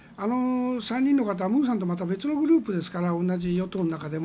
３人の方は文さんとは別のグループですから同じ与党の中でも。